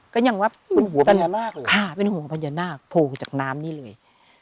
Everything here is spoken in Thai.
ก็ยังประมาณล่ะค่ะเป็นหัวพยานาคโผล่จากน้ำนี่เลย